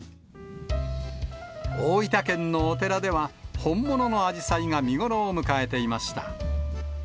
大分県のお寺では、本物のあじさいが見頃を迎えていました。